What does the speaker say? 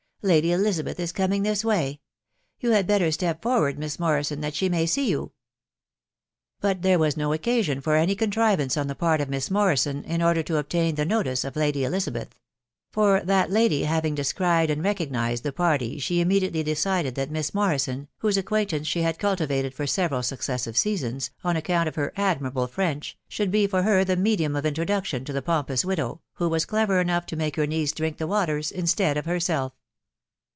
Lady Elizabeth is coming this way. ••. You had better step for ward, Miss Morrison, that she may see you." But there was no occasion for any contrivance on the part of Miss Morrison in order to obtain the notice of Lady Elisa beth ; for that lady having descried and recognised the party, she immediately decided that Miss Morrison, whose acquaint ance she had cultivated for several successive seasons, on account of her admirable French, should be for her the medium of introduction to the pompous widow, who was clever enough 2o make her niece drink the waters instead of herself.